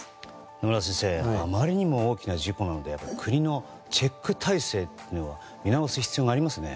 野村先生、あまりにも大きな事故なので国のチェック体制を見直す必要がありますね。